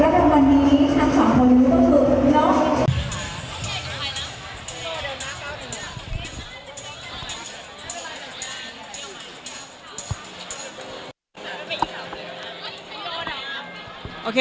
ขอบคุณครับ